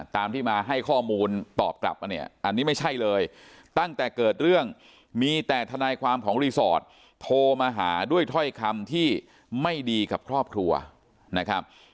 ตามที่มาให้ข้อมูลตอบกลับมาเนี่ยอันนี้ไม่ใช่เลยตั้งแต่เกิดเรื่องมีแต่ทนายความของรีสอร์ทโทรมาหาด้วยถ้อยคำที่ไม่ดีกับครอบครัวนะครับ